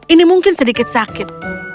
ini mungkin sedikit sakit